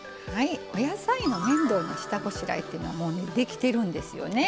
お野菜の面倒な下ごしらえっていうのはもうできてるんですよね。